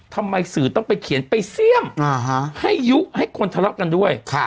ทำไมสื่อต้องไปเขียนไปเสี่ยมให้ยุให้คนทะเลาะกันด้วย